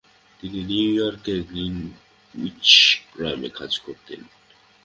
তিনি নিউ ইয়র্কের গ্রিনউইচ গ্রামে কাজ করতেন।